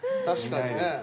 確かにね。